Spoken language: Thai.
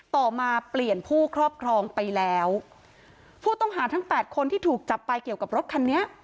ต่อมาเปลี่ยนผู้ครอบครองไปแล้วผู้ต้องหาทั้งแปดคนที่ถูกจับไปเกี่ยวกับรถคันนี้